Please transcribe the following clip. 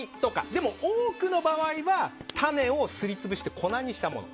でも、多くの場合は種をすり潰して粉にしたもの。